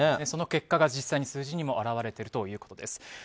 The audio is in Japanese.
その結果が実際に数字にも表れているということです。